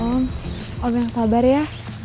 om apa yang sabar ya